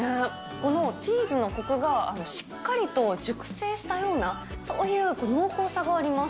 このチーズのこくが、しっかりと熟成したような、そういう濃厚さがあります。